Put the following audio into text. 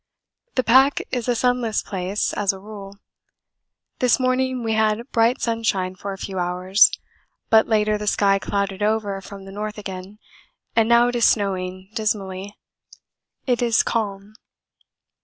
The pack is a sunless place as a rule; this morning we had bright sunshine for a few hours, but later the sky clouded over from the north again, and now it is snowing dismally. It is calm.